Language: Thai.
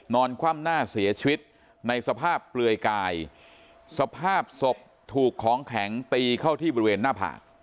คว่ำหน้าเสียชีวิตในสภาพเปลือยกายสภาพศพถูกของแข็งตีเข้าที่บริเวณหน้าผาก